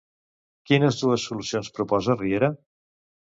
Quines dues solucions proposa Riera?